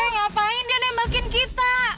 ngapain dia nembakin kita